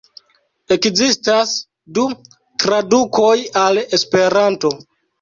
Ekzistas du tradukoj al Esperanto.